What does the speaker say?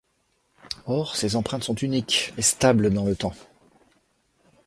Or, ces empreintes sont uniques et stables dans le temps.